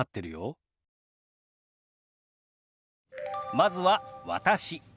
まずは「私」。